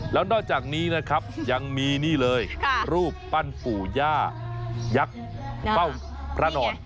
แล้วนอกจากนี้นะครับยังมีนี่เลยรูปปั้นปู่ย่ายักษ์เป้าพระนอน